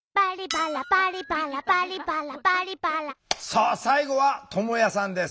さあ最後はともやさんです。